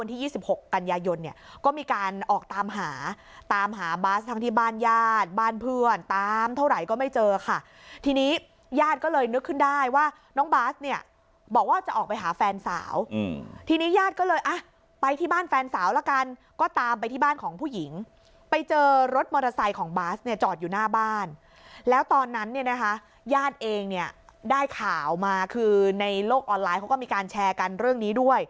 ที่๒๖กันยายนเนี่ยก็มีการออกตามหาตามหาบาสทางที่บ้านญาติบ้านเพื่อนตามเท่าไหร่ก็ไม่เจอค่ะทีนี้ญาติก็เลยนึกขึ้นได้ว่าน้องบาสเนี่ยบอกว่าจะออกไปหาแฟนสาวทีนี้ญาติก็เลยไปที่บ้านแฟนสาวแล้วกันก็ตามไปที่บ้านของผู้หญิงไปเจอรถมอเตอร์ไซค์ของบาสเนี่ยจอดอยู่หน้าบ้านแล้วตอนนั้นเนี่ยนะคะญาติเองเ